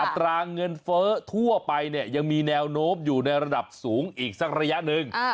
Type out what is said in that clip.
ตราเงินเฟ้อทั่วไปเนี่ยยังมีแนวโน้มอยู่ในระดับสูงอีกสักระยะหนึ่ง